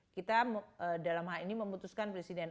kita dalam hal ini memutuskan presiden